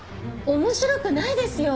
面白くないですよ！